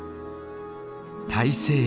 大西洋。